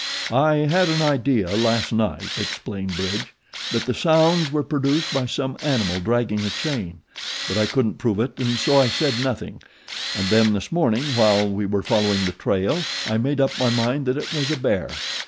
"I had an idea last night," explained Bridge, "that the sounds were produced by some animal dragging a chain; but I couldn't prove it and so I said nothing, and then this morning while we were following the trail I made up my mind that it was a bear.